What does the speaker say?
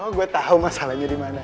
oh gua tau masalahnya di mana